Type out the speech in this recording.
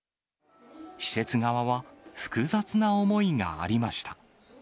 施設側は、複雑な思いがありました。